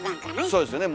そうですね。